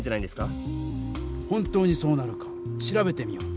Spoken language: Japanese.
ほんとにそうなるか調べてみよう。